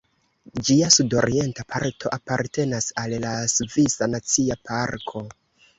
Ĝia sudorienta parto apartenas al la Svisa Nacia Parko.